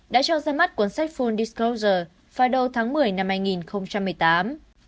đã cho ra mắt cuốn sách full disclosure vào đầu tháng một mươi năm hai nghìn một mươi tám